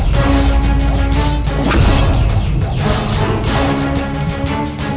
kau akan mati